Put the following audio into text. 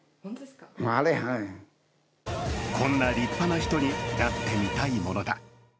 こんな立派な人になってみたいものだ。